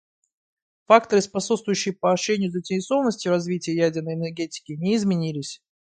Факторы, способствующие поощрению заинтересованности в развитии ядерной энергетики, не изменились.